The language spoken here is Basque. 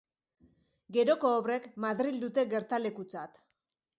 Geroko obrek Madril dute gertalekutzat.